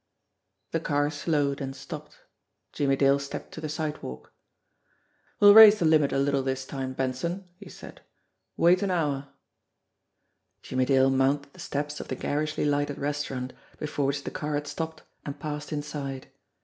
The car slowed, and stopped. Jimmie Dale stepped to the sidewalk. THE PIECES OF A PUZZLE 237 "We'll raise the limit a little this time, Benson," he said. "Wait an hour." Jimmie Dale mounted the steps of the garishly lighted restaurant before which the car had stopped, and passed inside.